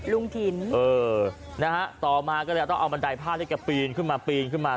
ลุงถิ่นเออนะฮะต่อมาก็เลยต้องเอาบันไดผ้านี้แกปีนขึ้นมาปีนขึ้นมา